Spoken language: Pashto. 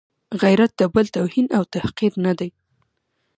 غیرت د بل توهین او تحقیر نه دی.